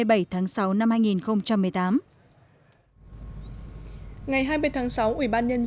ngày hai mươi tháng sáu ubnd tỉnh hà nam tổ chức hội nghị công bố quy hoạch tổng thể